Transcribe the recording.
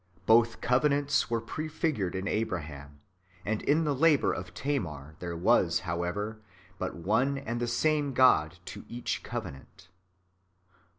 — Bo'h covenants u'cre 'prefirjured in Ahraham, and in the lahour of Tamar ; there icas, hoicevei'y but one and the same God to each covenant.